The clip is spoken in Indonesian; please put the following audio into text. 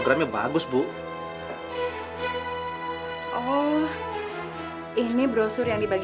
kamu maucrih dapat